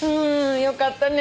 よかったね。